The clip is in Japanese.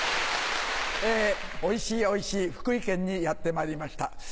おいしいおいしい福井県にやってまいりました。